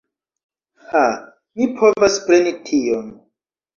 Ha, mi povas preni tion!